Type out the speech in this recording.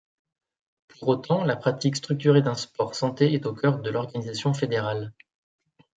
Pour autant la pratique structurée d'un sport santé est au cœur de l'organisation fédérale.